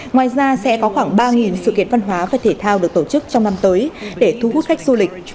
ngoài ra sẽ có khoảng ba sự kiện văn hóa và thể thao được tổ chức trong năm tới để thu hút khách du lịch